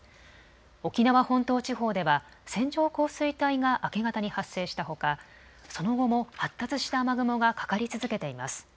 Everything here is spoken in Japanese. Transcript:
沖縄本島地方では線状降水帯が明け方に発生したほか、その後も発達した雨雲がかかり続けています。